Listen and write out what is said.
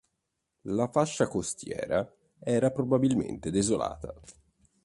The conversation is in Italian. La fascia costiera era probabilmente desolata.